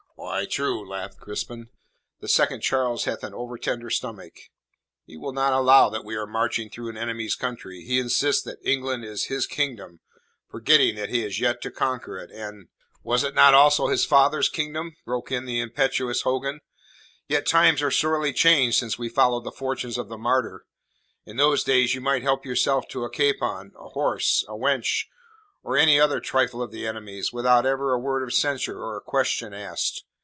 "Why, true," laughed Crispin, "the Second Charles hath an over tender stomach. He will not allow that we are marching through an enemy's country; he insists that England is his kingdom, forgetting that he has yet to conquer it, and " "Was it not also his father's kingdom?" broke in the impetuous Hogan. "Yet times are sorely changed since we followed the fortunes of the Martyr. In those days you might help yourself to a capon, a horse, a wench, or any other trifle of the enemy's, without ever a word of censure or a question asked.